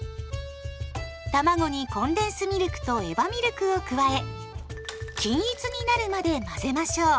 たまごにコンデンスミルクとエバミルクを加え均一になるまで混ぜましょう。